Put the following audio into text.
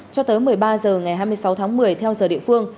cho tới một mươi ba h ngày hai mươi sáu tháng một mươi theo giờ địa phương